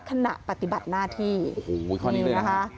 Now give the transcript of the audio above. ขณะปฏิบัติหน้าที่โอ้โหข้อนี้เลยนะคะ